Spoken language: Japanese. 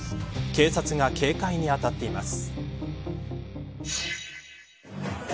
警察が警戒にあたっています。